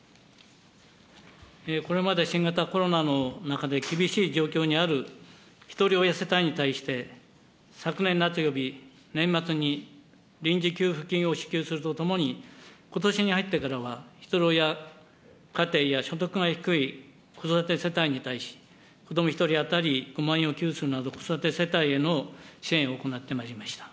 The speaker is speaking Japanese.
これまで新型コロナの中で厳しい状況にあるひとり親世帯に対して、昨年夏および年末に臨時給付金を支給するとともに、ことしに入ってからは、ひとり親家庭や所得が低い子育て世帯に対し、子ども１人当たり５万円を給付するなど、子育て世帯への支援を行ってまいりました。